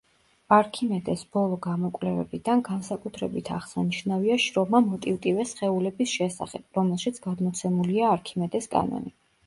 არქიმედეს ბოლო გამოკვლევებიდან განსაკუთრებით აღსანიშნავია შრომა „მოტივტივე სხეულების შესახებ“, რომელშიც გადმოცემულია არქიმედეს კანონი.